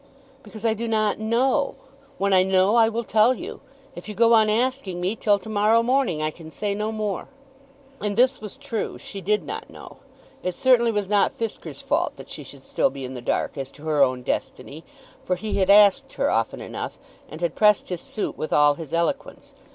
"Because I do not know. When I know I will tell you. If you go on asking me till to morrow morning I can say no more." And this was true. She did not know. It certainly was not Fisker's fault that she should still be in the dark as to her own destiny, for he had asked her often enough, and had pressed his suit with all his eloquence.